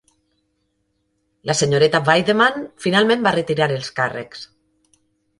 La senyoreta Weideman finalment va retirar els càrrecs.